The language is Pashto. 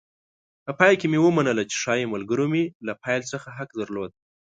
په پای کې مې ومنله چې ښایي ملګرو مې له پیل څخه حق درلود.